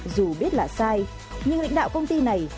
dù biết là sai nhưng lãnh đạo công ty này